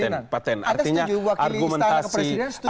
anda setuju wakili istana kepresiden setuju dengan pertanyaan